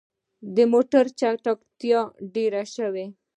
د موټر چټکتيا ډيره شوه.